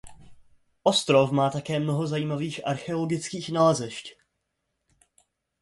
Ostrov má také mnoho zajímavých archeologických nalezišť.